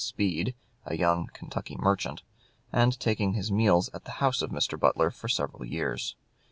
Speed, a young Kentucky merchant, and taking his meals at the house of Mr. Butler for several years.